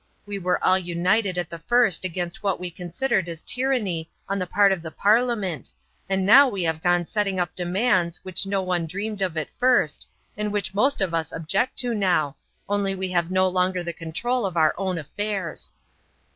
We were all united at the first against what we considered as tyranny on the part of the Parliament, and now we have gone setting up demands which no one dreamed of at first and which most of us object to now, only we have no longer the control of our own affairs."